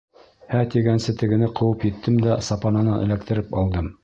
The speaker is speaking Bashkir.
«һә» тигәнсе тегене ҡыуып еттем дә сапанынан эләктереп алдым.